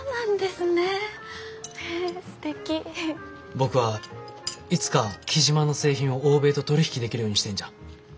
僕はいつか雉真の製品を欧米と取り引きできるようにしたいんじゃ。